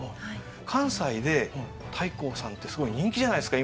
関西で太閤さんってすごい人気じゃないですか